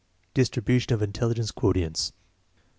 Distribution of intelligence quotients.